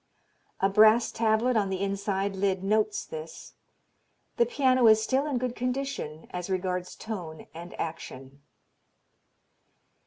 A brass tablet on the inside lid notes this. The piano is still in good condition as regards tone and action.